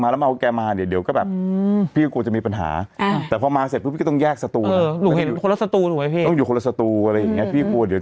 มันไม่เหมาะมันไม่ถูกต้องมันไม่ดี